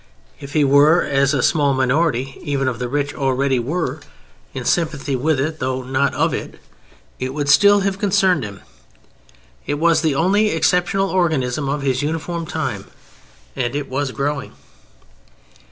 If he were, as a small minority even of the rich already were, in sympathy with it though not of it, it would still have concerned him. It was the only exceptional organism of his uniform time: and it was growing.